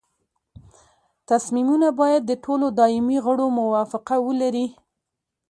تصمیمونه باید د ټولو دایمي غړو موافقه ولري.